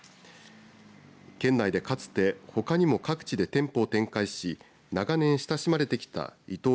県内でかつてほかにも各地で店舗を展開し長年親しまれてきたイトー